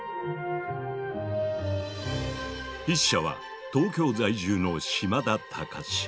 筆者は東京在住の島田隆資。